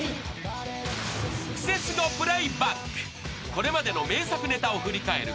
［これまでの名作ネタを振り返る